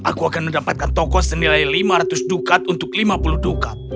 aku akan mendapatkan tokoh senilai lima ratus dukat untuk lima puluh dukat